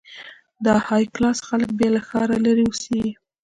د های کلاس خلک بیا له ښاره لرې اوسېږي.